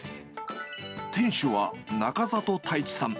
店主は中里太地さん。